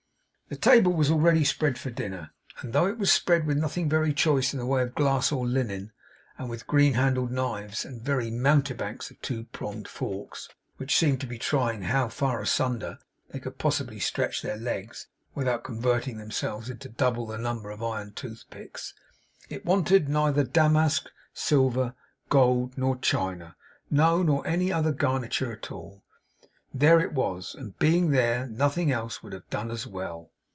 The table was already spread for dinner; and though it was spread with nothing very choice in the way of glass or linen, and with green handled knives, and very mountebanks of two pronged forks, which seemed to be trying how far asunder they could possibly stretch their legs without converting themselves into double the number of iron toothpicks, it wanted neither damask, silver, gold, nor china; no, nor any other garniture at all. There it was; and, being there, nothing else would have done as well.